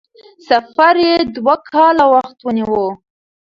سفر یې دوه کاله وخت ونیو.